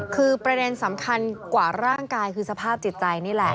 คือประเด็นสำคัญกว่าร่างกายคือสภาพจิตใจนี่แหละ